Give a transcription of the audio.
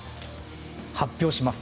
発表します。